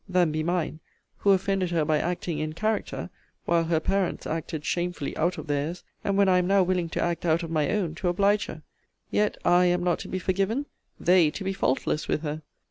] than be mine, who offended her by acting in character, while her parents acted shamefully out of theirs, and when I am now willing to act out of my own to oblige her; yet I am not to be forgiven; they to be faultless with her!